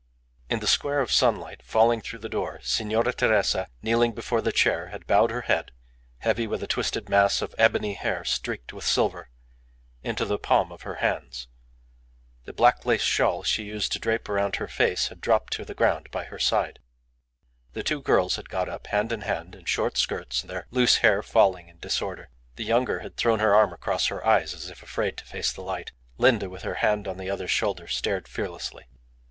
In the square of sunlight falling through the door Signora Teresa, kneeling before the chair, had bowed her head, heavy with a twisted mass of ebony hair streaked with silver, into the palm of her hands. The black lace shawl she used to drape about her face had dropped to the ground by her side. The two girls had got up, hand in hand, in short skirts, their loose hair falling in disorder. The younger had thrown her arm across her eyes, as if afraid to face the light. Linda, with her hand on the other's shoulder, stared fearlessly.